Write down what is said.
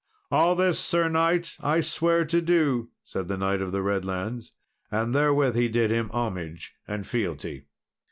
"All this, Sir knight, I swear to do," said the Knight of the Redlands; and therewith he did him homage and fealty.